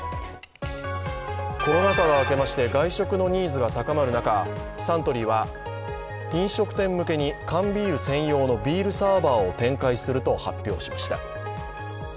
コロナ禍が明けまして、外食のニーズが高まる中、サントリーは飲食店向けに缶ビール専用のビールサーバーを展開すると発表しました。